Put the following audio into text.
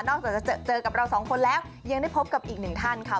จากจะเจอกับเราสองคนแล้วยังได้พบกับอีกหนึ่งท่านค่ะ